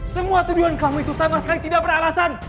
semua tujuan kamu itu sama sekali tidak beralasan